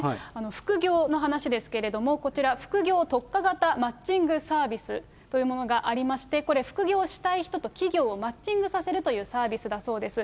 副業の話ですけれども、こちら、副業特化型マッチングサービスというものがありまして、これ副業したい人と企業をマッチングさせるというサービスだそうです。